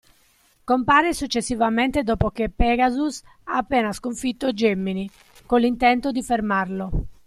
Compare successivamente dopo che Pegasus ha appena sconfitto Gemini, con l'intento di fermarlo.